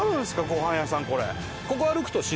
ごはん屋さんこれ。